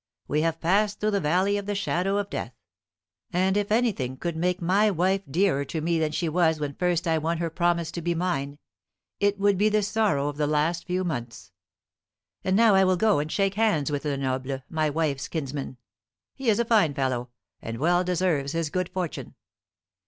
We have passed through the valley of the shadow of death; and if anything could make my wife dearer to me than she was when first I won her promise to be mine, it would be the sorrow of the last few months. And now I will go and shake hands with Lenoble, my wife's kinsman. He is a fine fellow, and well deserves his good fortune.